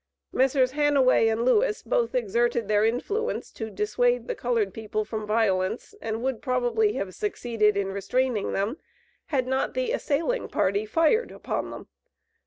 Messrs. Hanaway and Lewis both exerted their influence to dissuade the colored people from violence, and would probably have succeeded in restraining them, had not the assailing party fired upon them.